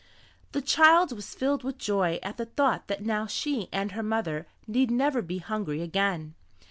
The child was filled with joy at the thought that now she and her mother need never be hungry again.